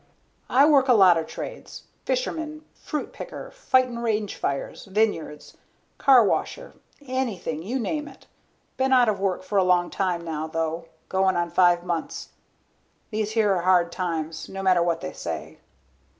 "I work a lot o' trades. Fisherman, fruit picker, fightin' range fires, vineyards, car washer. Anything. You name it. Been out of work for a long time now, though. Goin' on five months. These here are hard times, no matter what they say."